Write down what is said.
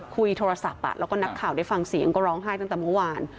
คุยโทรศัพท์แล้วก็นักข่าวได้ฟังเสียงก็ร้องไห้ตั้งแต่เมื่อวาน